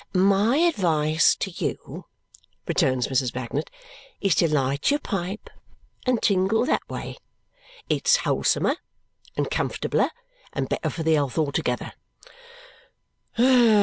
"My advice to you," returns Mrs. Bagnet, "is to light your pipe and tingle that way. It's wholesomer and comfortabler, and better for the health altogether."